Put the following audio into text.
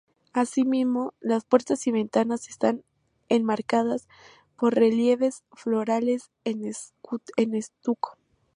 Así mismo, las puertas y ventanas están enmarcadas por relieves florales en estuco.